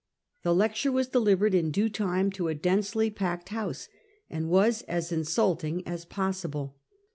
The lecture was delivered in due time to a densely packed house, and was as insulting as pos sible.